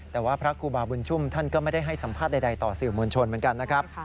แต่ว่าพระครูบาบุญชุ่มท่านก็ไม่ได้ให้สัมภาษณ์ใดต่อสื่อมวลชนเหมือนกันนะครับ